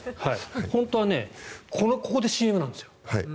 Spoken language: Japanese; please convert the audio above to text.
本当はここでＣＭなんですよ。